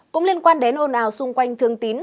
cũng liên quan đến ồn ào xung quanh thương tín